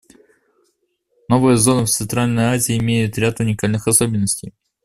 Новая зона в Центральной Азии имеет ряд уникальных особенностей.